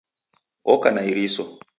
Oka na iriso